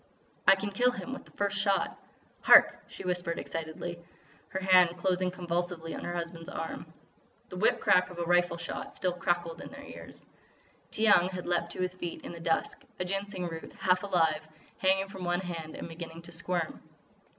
"I can kill him with the first shot." "Hark!" she whispered excitedly, her hand closing convulsively on her husband's arm. The whip crack of a rifle shot still crackled in their ears. Tiyang had leaped to his feet in the dusk, a Ginseng root, half alive, hanging from one hand and beginning to squirm.